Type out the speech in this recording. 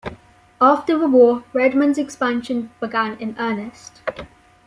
After the war, Redmond's expansion began in earnest.